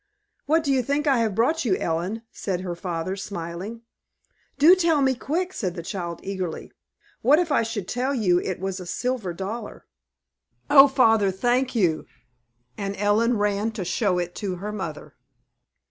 "What do you think I have brought you, Ellen?" said her father, smiling. "Do tell me quick," said the child, eagerly. "What if I should tell you it was a silver dollar?" "Oh, father, thank you," and Ellen ran to show it to her mother.